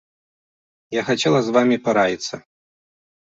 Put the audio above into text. Я хацела з вамі параіцца.